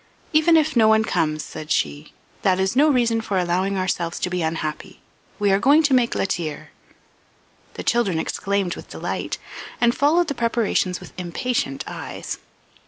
"Even if no one comes," said she, "that is no reason for allowing ourselves to be unhappy. We are going to make la tire." The children exclaimed with delight, and followed the preparations with impatient eyes.